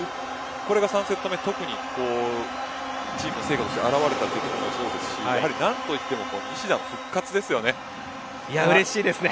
これが３セット目、特にチームの成果として現れたというのもそうですし何といってもうれしいですね。